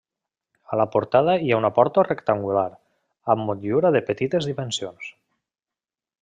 A la portada hi ha una porta rectangular, amb motllura de petites dimensions.